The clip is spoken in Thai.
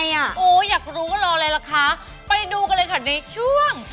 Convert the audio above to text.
อยากรู้ก็รอเลยละคะไปดูกันเลยค่ะในช่วง